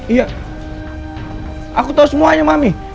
iya aku tahu semuanya mami